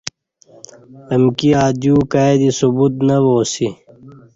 امکی ا دیو کای دی ثبوت نہ وا اسی